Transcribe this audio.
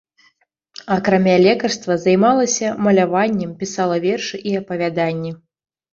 Акрамя лекарства займалася маляваннем, пісала вершы і апавяданні.